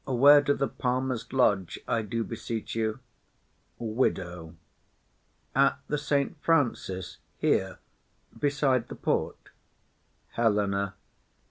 Where do the palmers lodge, I do beseech you? WIDOW. At the Saint Francis here, beside the port. HELENA.